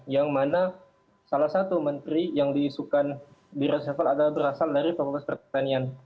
yang mana salah satu menteri yang diisukan di reshuffle adalah berasal dari fakultas pertanian